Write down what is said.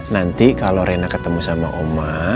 nanti kalau rena ketemu sama oma